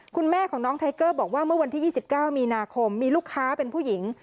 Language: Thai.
คุณแม่ของน้องไทเกอร์บอกว่าเมื่อวันที่๒๙มีนาคมมีลูกค้าเป็นผู้หญิง